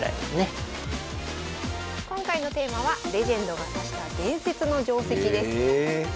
今回のテーマはレジェンドが指した伝説の定跡です